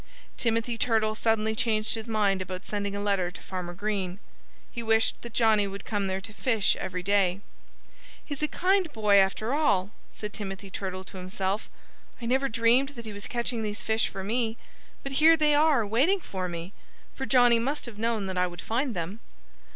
Timothy Turtle suddenly changed his mind about sending a letter to Farmer Green. He wished that Johnnie would come there to fish every day. "He's a kind boy, after all!" said Timothy Turtle to himself. "I never dreamed that he was catching these fish for me. But here they are, waiting for me! For Johnnie must have known that I would find them."